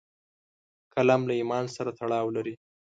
قلم له ایمان سره تړاو لري